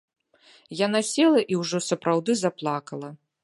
Яна села і ўжо сапраўды заплакала.